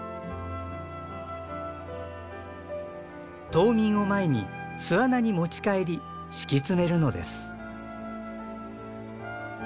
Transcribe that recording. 冬眠を前に巣穴に持ち帰り敷き詰めるのです。